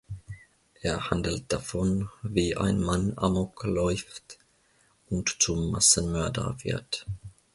Er handelt davon, wie ein Mann Amok läuft und zum Massenmörder wird.